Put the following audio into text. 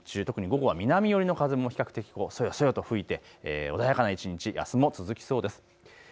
日中、特に午後は南寄りの風も比較的そよそよと吹いて穏やかな一日、あすも続きそうです。